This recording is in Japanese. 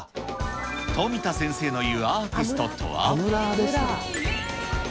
富田先生のいうアーティストとは。